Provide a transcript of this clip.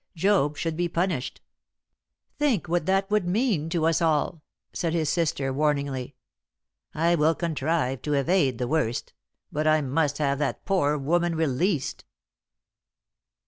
Job should be punished." "Think what that would mean to us all," said his sister, warningly. "I will contrive to evade the worst. But I must have that poor woman released!"